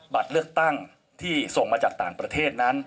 บัตรเลือกตั้งที่ส่งมาจากต่างประเทศนั้น